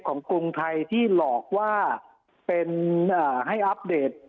กรุงไทยที่หลอกว่าเป็นให้อัปเดต